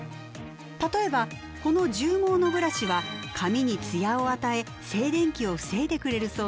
例えばこの獣毛のブラシは髪にツヤを与え静電気を防いでくれるそうです。